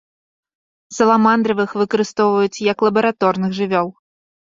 Саламандравых выкарыстоўваюць як лабараторных жывёл.